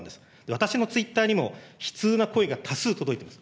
私のツイッターにも、悲痛な声が多数、届いてます。